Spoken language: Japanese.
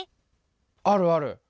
あるある！